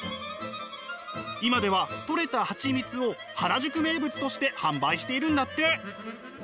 今ではとれた蜂蜜を原宿名物として販売しているんだって。